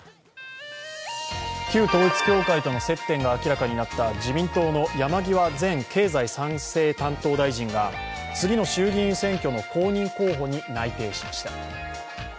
旧統一教会との接点が明らかになった自民党の山際前経済再生担当大臣が次の衆議院選挙の公認候補に内定しました。